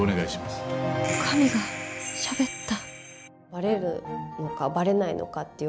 神が、しゃべった。